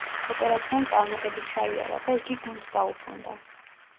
ოპერაციამ წარმატებით ჩაიარა და იგი გუნდს დაუბრუნდა.